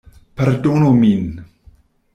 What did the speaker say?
Pardonu min.